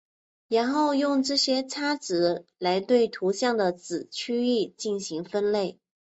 然后用这些差值来对图像的子区域进行分类。